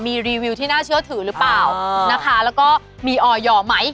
มีรีวิวที่น่าเชื่อถือหรือเปล่านะคะแล้วก็มีออยไหม